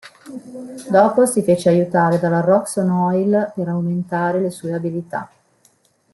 Dopo si fece aiutare dalla Roxxon Oil per aumentare le sue abilità.